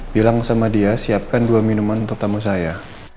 bilang sama dia siapkan dua minuman untuk tamu saya